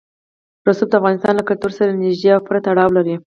رسوب د افغانستان له کلتور سره نږدې او پوره تړاو لري.